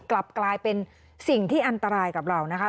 กลับกลายเป็นสิ่งที่อันตรายกับเรานะคะ